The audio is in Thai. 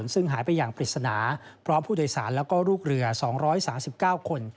ซึ่งหายไปอย่างปริศนาพร้อมผู้โดยสารและลูกเรือ๒๓๙คน